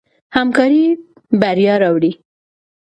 همکاري بریا راوړي.